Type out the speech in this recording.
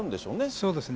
そうですね。